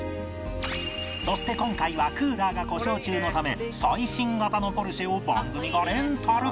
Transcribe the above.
そして今回はクーラーが故障中のため最新型のポルシェを番組がレンタル